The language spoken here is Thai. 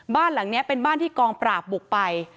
บ้านหลังนี้เป็นบ้านที่กองปราบบุกไป